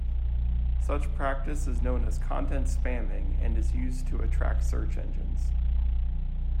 Such practice is known as content spamming and is used to attract search engines.